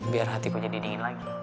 biar hatiku jadi dingin lagi